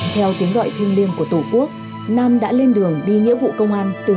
theo tiếng gọi thiêng liêng của tổ quốc nam đã lên đường đi nghĩa vụ công an